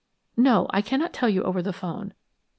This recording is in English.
No, I cannot tell you over the 'phone.